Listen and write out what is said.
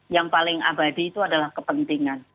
yang paling abadi itu adalah kepentingan